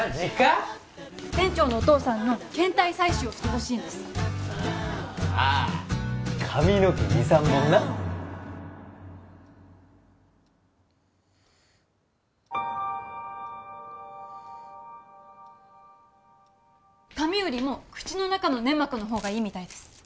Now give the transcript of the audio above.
店長のお父さんの検体採取をしてほしいんですああ髪の毛２３本な髪よりも口の中の粘膜のほうがいいみたいです